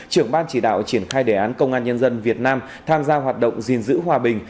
trưởng ban chỉ đạo triển khai đề án công an nhân dân việt nam tham gia hoạt động gìn giữ hòa bình